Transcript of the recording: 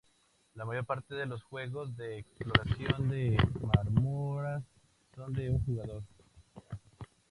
La mayor parte de los juegos de exploración de mazmorras son de un jugador.